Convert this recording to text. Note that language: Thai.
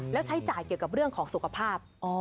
แล้วใช้จ่ายเกี่ยวกับเรื่องของสุขภาพ